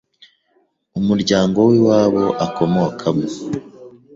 umuryango w’iwabo akomokamo